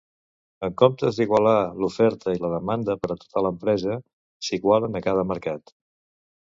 En comptes d'igualar l'oferta i la demanda per a tota l'empresa, s'igualen a cada mercat.